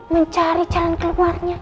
mencari jalan keluarnya